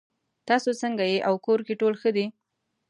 تاسو څنګه یې او کور کې ټول ښه دي